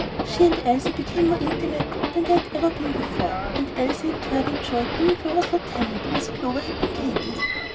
She and Elsie became more intimate than they had ever been before; and Elsie in her turn enjoyed being Clover's lieutenant as Clover had been Katy's.